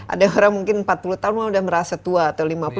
ada orang mungkin empat puluh tahun sudah merasa tua atau lima puluh tahun